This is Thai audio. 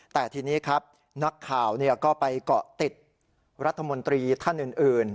แต่ทีนี้ครับนักข่าวก็ไปเกาะติดรัฐมนตรีท่านอื่น